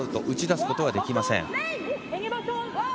打ち出すことはできません。